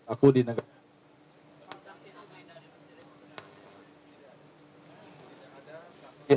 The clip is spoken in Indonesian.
aku di negara